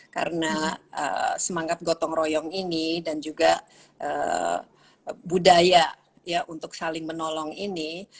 karena semangat gotong royong ini dan juga budaya ya untuk saling menolong ini